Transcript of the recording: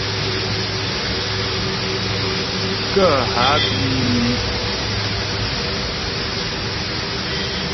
Kə́ há bí í.